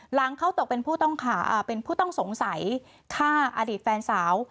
หลังเขาตกเป็นผู้ต้องสงสัยฆ่าอดีตแฟนสาว